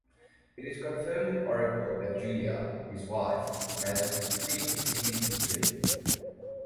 It is confirmed in "Oracle" that Julia, his wife, has predeceased him.